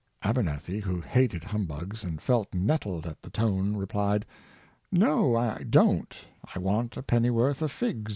Aber nethy, who hated humbugs, and felt nettled at the tone . replied: *' No, I don't: I want a pennyworth of fig?